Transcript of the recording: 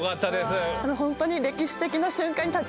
ホントに。